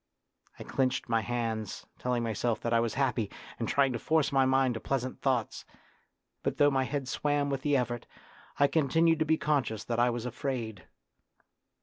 I clenched my hands, telling myself that I was happy, and trying to force my mind to pleasant thoughts; but though my head swam with the effort, I continued to be conscious that I was afraid.